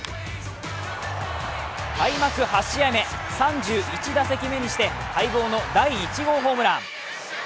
開幕８試合目、３１打席目にして待望の第１号ホームラン。